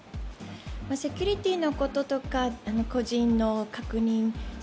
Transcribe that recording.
セキュリティーのこととか個人の確認